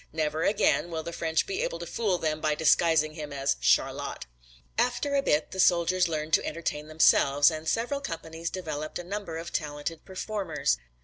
Never again will the French be able to fool them by disguising him as "Charlot." After a bit the soldiers learned to entertain themselves and several companies developed a number of talented performers.